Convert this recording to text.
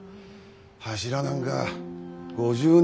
柱なんか５０年先がも。